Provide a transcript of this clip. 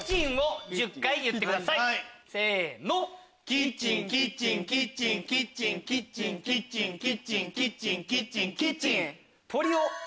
キッチンキッチンキッチンキッチンキッチンキッチンキッチンキッチンキッチンキッチン。